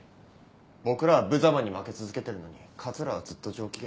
僕らはぶざまに負け続けてるのに桂はずっと上機嫌。